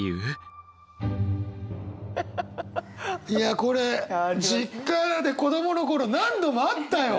いやこれ実家で子供の頃何度もあったよ。